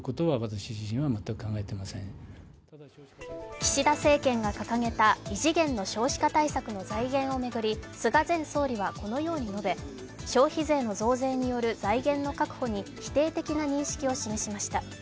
岸田政権が掲げた異次元の少子化対策の財源を巡り菅前総理はこのように述べ消費税の増税による財源の確保に否定的な認識を示しました。